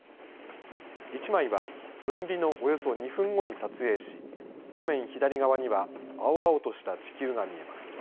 １枚は、分離のおよそ２分後に撮影し画面左側には青々とした地球が見えます。